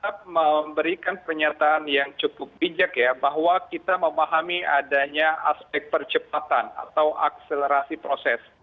kita memberikan pernyataan yang cukup bijak ya bahwa kita memahami adanya aspek percepatan atau akselerasi proses